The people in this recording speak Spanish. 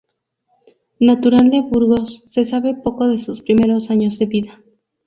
Natural de Burgos, se sabe poco de sus primeros años de vida.